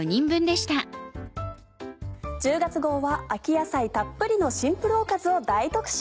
１０月号は秋野菜たっぷりのシンプルおかずを大特集。